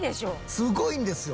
すごいんですよ！